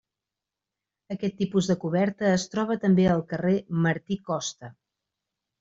Aquest tipus de coberta es troba també al carrer Martí Costa.